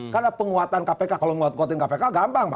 karena penguatan kpk kalau menguat nguatin kpk gampang